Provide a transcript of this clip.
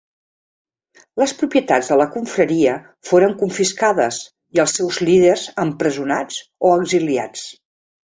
Les propietats de la confraria foren confiscades i els seus líders empresonats o exiliats.